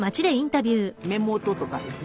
目元とかですね